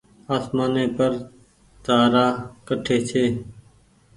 آسمآني پر تآرآ ڪٺي ڇي۔